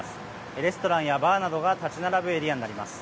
レストランやバーなどが立ち並ぶエリアになります。